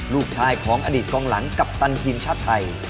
ลูกชายของอดีตกองหลังกัปตันทีมชาติไทย